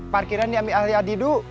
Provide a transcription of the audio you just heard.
parkiran diambil alia didu